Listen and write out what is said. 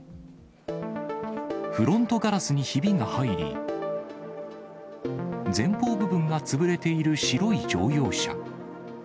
フロントガラスにひびが入り、前方部分が潰れている白い乗用車。